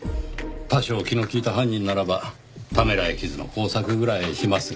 多少気の利いた犯人ならばためらい傷の工作ぐらいしますがねぇ。